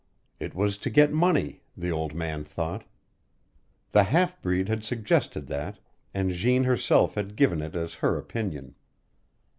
It was to get money, the old man thought. The half breed had suggested that, and Jeanne herself had given it as her opinion.